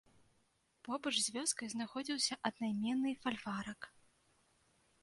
Побач з вёскай знаходзіўся аднайменны фальварак.